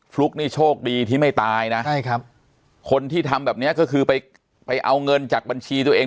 ลุ๊กนี่โชคดีที่ไม่ตายนะใช่ครับคนที่ทำแบบนี้ก็คือไปไปเอาเงินจากบัญชีตัวเอง